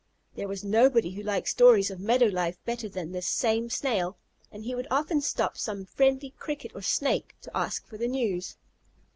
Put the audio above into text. There was nobody who liked stories of meadow life better than this same Snail, and he would often stop some friendly Cricket or Snake to ask for the news.